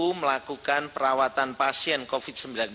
untuk melakukan perawatan pasien yang bergejala sedang sampai dengan berat